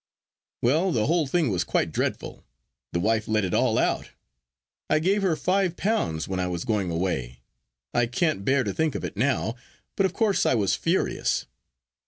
Well, the whole thing was quite dreadful. The wife let it all out. I gave her five pounds when I was going away. I can't bear to think of it now; but of course I was furious.